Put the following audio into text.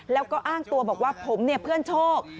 แล้วก็อ้างตัวบอกว่าผมเนี่ยเพื่อนโชค